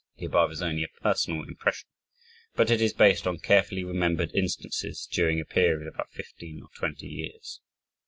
(The above is only a personal impression, but it is based on carefully remembered instances, during a period of about fifteen or twenty years.)